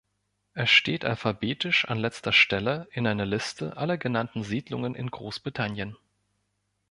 Es steht alphabetisch an letzter Stelle in einer Liste aller genannten Siedlungen in Großbritannien.